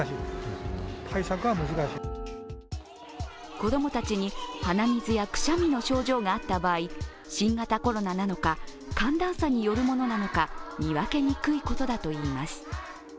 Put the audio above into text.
子供たちに鼻水やくしゃみの症状があった場合、新型コロナなのか寒暖差によるものなのか見分けにくいことだといいます。